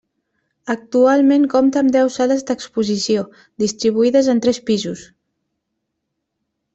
Actualment compta amb deu sales d'exposició, distribuïdes en tres pisos.